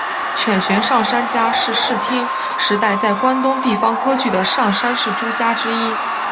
犬悬上杉家是室町时代在关东地方割据的上杉氏诸家之一。